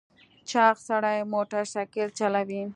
چاغ سړی موټر سایکل چلوي .